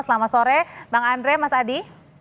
selamat sore bang andre mas adi